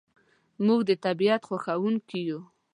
موږ د طبیعت خوښونکي یو.